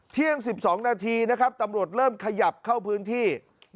เที่ยง๑๒นาทีนะครับตำรวจเริ่มขยับเข้าพื้นที่